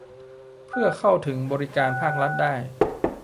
เพื่อเข้าถึงบริการภาครัฐได้